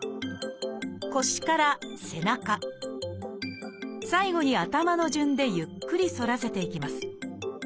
腰から背中最後に頭の順でゆっくり反らせていきます。